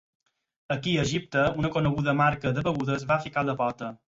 Aquí a Egipte una coneguda marca de begudes va ficar la pota.